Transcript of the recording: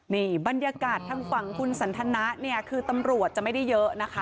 นี่บรรยากาศทางฝั่งคุณสันทนะเนี่ยคือตำรวจจะไม่ได้เยอะนะคะ